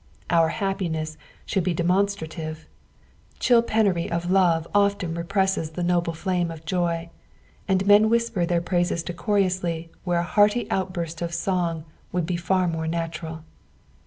Our happiness should be demon Btrative ; chill penury of love often represses the noble flame of joy, and men whisper their praises decorously where a hearty outburst of eong would be far more natural.